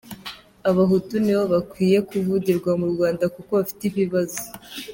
Abahutu ni bo bakwiye kuvugirwa mu Rwanda kuko bafite ibibazo.